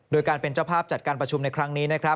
โดยการเป็นเจ้าภาพจัดการประชุมในครั้งนี้นะครับ